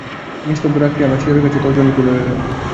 নিস্তব্ধ রাত্রি আমার শিয়রের কাছে তর্জনী তুলে রইল।